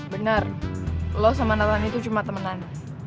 bener lo sama nathan itu cuma temenan